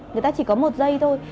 người ta chỉ có một dây thôi